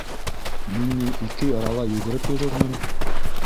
Мин ни ике арала йүгереп йөрөрмөн.